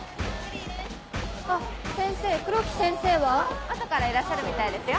あっ先生黒木先生は？後からいらっしゃるみたいですよ。